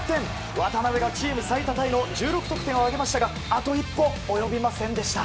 渡邊がチーム最多タイの１６得点を挙げましたがあと一歩及びませんでした。